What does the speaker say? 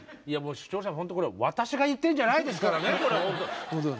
視聴者ほんとこれ私が言ってるんじゃないですからね。